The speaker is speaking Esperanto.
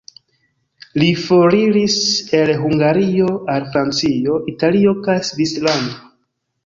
Li foriris el Hungario al Francio, Italio kaj Svislando.